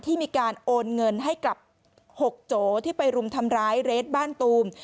ที่มีการโอนเงินให้กับ๖โจที่ไปรุมทำร้ายเรทบ้านตูม